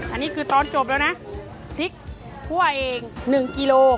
อันนี้คือตอนจบแล้วนะพริกถ้วยเอง๑กิโล